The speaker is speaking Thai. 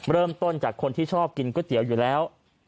เริ่มต้นจากคนที่ชอบกินก๋วยเตี๋ยวอยู่แล้ว